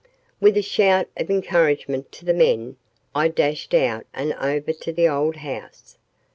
With a shout of encouragement to the men I dashed out and over to the old house.